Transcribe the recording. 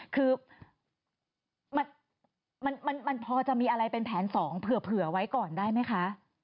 คือมันพอจะมีอะไรเป็นแผน๒เผื่อไว้ก่อนได้ไหมคะ